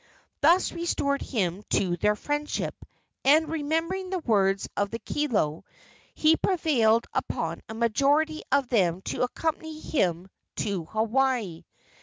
This restored him to their friendship, and, remembering the words of the kilo, he prevailed upon a majority of them to accompany him to Hawaii.